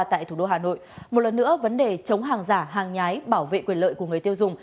tại thủ đô hà nội một lần nữa vấn đề chống hàng giả hàng nhái bảo vệ quyền lợi của người tiêu dùng